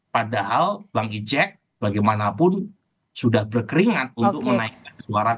padahal bang ijek bagaimanapun sudah berkeringat untuk menaikkan suara golkar di sumatera utara